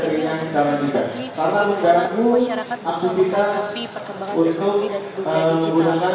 karena dengan itu masyarakat bisa mengaktifkan untuk perkembangan teknologi dan dunia digital